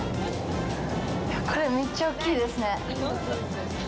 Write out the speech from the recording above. これ、めっちゃ大きいですね。